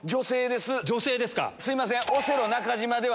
すいません。